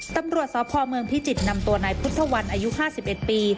ตำรวจสพเมืองพิจิตรนำตัวนายพุทธวันอายุ๕๑ปี